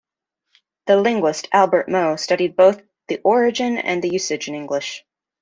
The linguist Albert Moe studied both the origin and the usage in English.